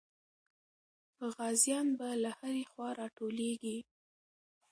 غازیان به له هرې خوا راټولېږي.